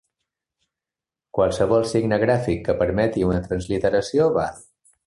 Qualsevol signe gràfic que permeti una transliteració val.